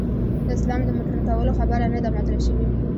د اسلام د مډرن کولو خبره نه ده مطرح شوې.